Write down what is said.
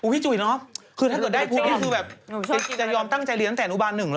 พี่เมกลองใส่แล้วก็ต้มได้เลยคุณแม่ลองชิมดู